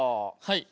はい。